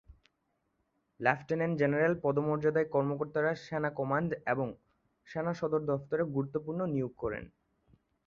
Lieutenant general পদমর্যাদার কর্মকর্তারা সেনা কমান্ড এবং সেনা সদর দফতরে গুরুত্বপূর্ণ নিয়োগ করেন।